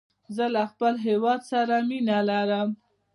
زه له خپل هیواد سره مینه لرم.